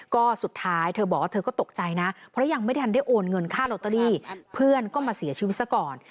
ก็สุดท้ายเธอบอกว่าเธอก็ตกใจนะเพราะยังไม่ทันได้โอนเงินค่าลอตเตอรี่เพื่อนก็มาเสียชีวิตซะก่อน